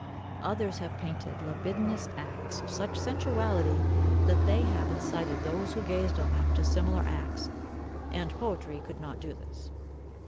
Others have painted libidinous acts of such sensuality that they have incited those who gazed on them to similar acts, and poetry could not do this.